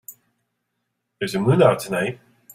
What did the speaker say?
There's a moon out tonight.